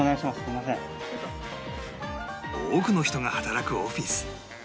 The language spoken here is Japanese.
多くの人が働くオフィス